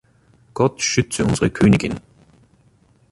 Gott schütze unsere Königin!